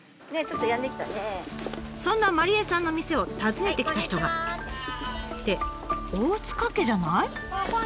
そんな麻梨絵さんの店を訪ねて来た人が。って大塚家じゃない？